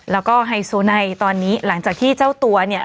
แล้วก็ไฮโซไนตอนนี้หลังจากที่เจ้าตัวเนี่ย